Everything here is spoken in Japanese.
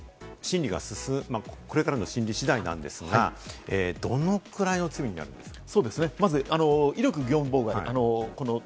審理がこれからの審理次第なんですが、どのくらいの罪になるんですか？